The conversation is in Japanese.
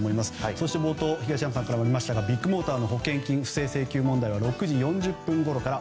そして冒頭、東山さんからもありましたがビッグモーターの保険金不正請求問題は６時４０分ごろから。